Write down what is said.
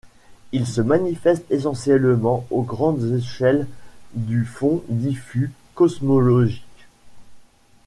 Il se manifeste essentiellement aux grandes échelles du fond diffus cosmologique.